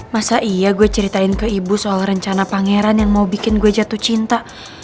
masa iya gue ceritain ke ibu soal rencana pangeran yang mau bikin gue jatuh cinta